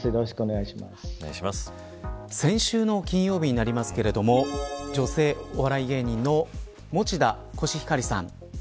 先週の金曜日になりますけれども女性お笑い芸人の餅田コシヒカリさん。